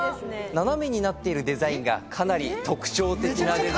斜めになっているデザインがかなり特徴的なデザインとなっております